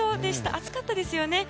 暑かったですよね。